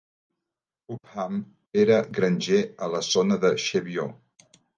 Upham era granger a la zona de Cheviot.